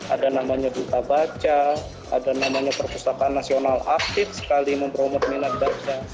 ada namanya duta baca ada namanya perpustakaan nasional aktif sekali mempromot minat baca